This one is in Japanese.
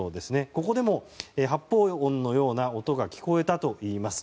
ここでも発砲音のような音が聞こえたといいます。